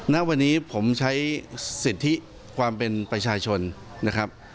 ณวันนี้ผมใช้สิทธิความเป็นประชาชนนะครับ